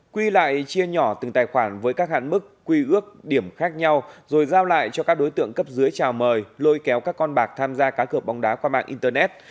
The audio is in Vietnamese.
quy lại chia nhỏ từng tài khoản với các hạn mức quy ước điểm khác nhau rồi giao lại cho các đối tượng cấp dưới trào mời lôi kéo các con bạc tham gia cá cược bóng đá qua mạng internet